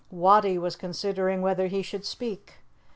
Wattie was considering whether he should speak.